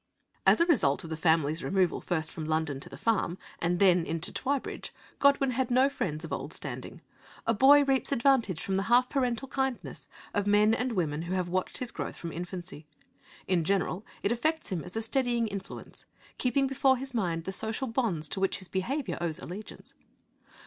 'As a result of the family's removal first from London to the farm, and then into Twybridge, Godwin had no friends of old standing. A boy reaps advantage from the half parental kindness of men and women who have watched his growth from infancy; in general it affects him as a steadying influence, keeping before his mind the social bonds to which his behaviour owes allegiance.